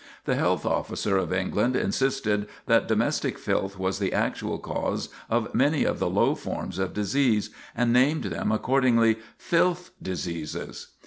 The health officer of England insisted that domestic filth was the actual cause of many of the low forms of disease, and named them accordingly, "filth diseases."